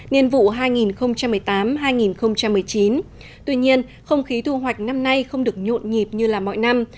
nhiên vụ hai nghìn một mươi tám hai nghìn một mươi chín tuy nhiên không khí thu hoạch năm nay không được nhộn nhịp như là mọi năm